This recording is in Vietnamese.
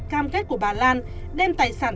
cam kết của bà lan đem tài sản